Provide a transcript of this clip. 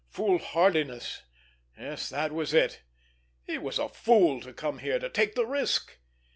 Foolhardiness! Yes, that was it! He was a fool to come here, to take the risk!